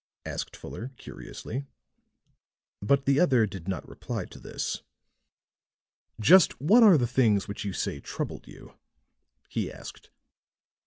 asked Fuller curiously. But the other did not reply to this. "Just what are the things which you say troubled you?" he asked.